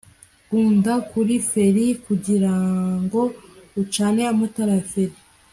kanda kuri feri kugirango ucane amatara ya feri